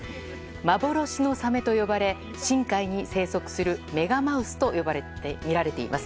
幻のサメと呼ばれ深海に生息するメガマウスとみられています。